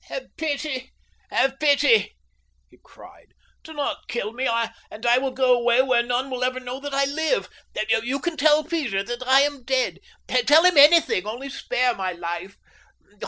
"Have pity—have pity!" he cried. "Do not kill me, and I will go away where none will ever know that I live. You can tell Peter that I am dead. Tell him anything, only spare my life.